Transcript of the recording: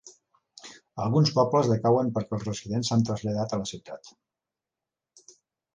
Alguns pobles decauen perquè els residents s'han traslladat a la ciutat.